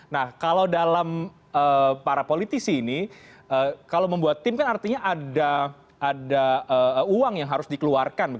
nah kalau dalam para politisi ini kalau membuat tim kan artinya ada uang yang harus dikeluarkan